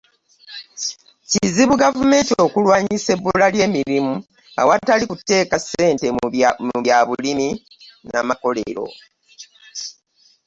Kizibu gavumenti okulwanyisa ebbula ly'emirimu awatali kuteeka ssente mu bya bulimi n'amakolero.